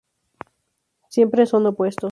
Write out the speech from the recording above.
Siempre son opuestos.